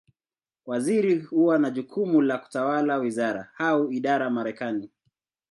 Waziri huwa na jukumu la kutawala wizara, au idara Marekani.